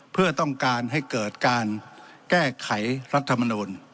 เพื่อต้องการให้เกิดการแก้ไขรัฐมนูล